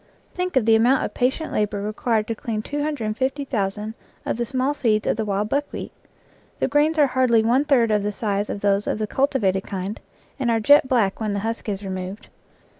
Think of the amount of patient labor required to clean 250,000 of the small seeds of the wild buck wheat ! The grains are hardly one third the size of those of the cultivated kind and are jet black when the husk is removed.